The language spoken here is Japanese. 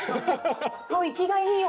もう生きがいいよ。